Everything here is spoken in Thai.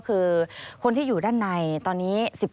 สวัสดีค่ะสวัสดีค่ะ